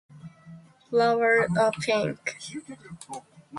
Flowers are pink.